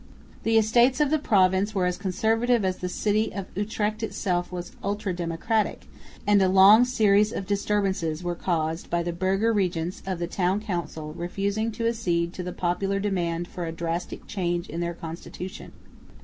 The Estates of the province were as conservative as the city of Utrecht itself was ultra democratic; and a long series of disturbances were caused by the burgher regents of the Town Council refusing to accede to the popular demand for a drastic change in their constitution.